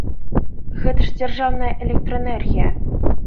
Гэта ж дзяржаўная электраэнергія!